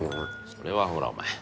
それはほらお前